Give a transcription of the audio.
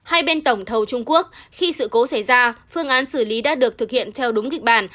hai bên tổng thầu trung quốc khi sự cố xảy ra phương án xử lý đã được thực hiện theo đúng kịch bản